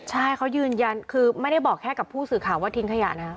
ใช่เขายืนยันคือไม่ได้บอกแค่กับผู้สื่อข่าวว่าทิ้งขยะนะครับ